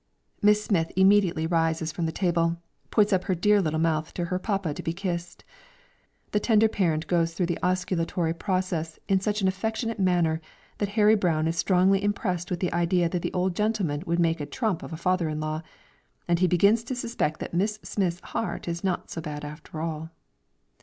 Miss Smith immediately rises from the table, puts up her dear little mouth to her papa to be kissed. The tender parent goes through the osculatory process in such an affectionate manner, that Harry Brown is strongly impressed with the idea that the old gentleman would make a trump of a father in law, and he begins to suspect that Miss Smith's heart is not so bad after all.